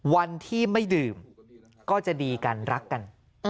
วันที่ไม่ดื่มก็จะดีกันรักกัน